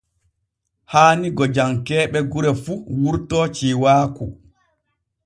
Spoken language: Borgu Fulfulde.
Haani gojankee ɓe gure fu wurto ciiwaaku.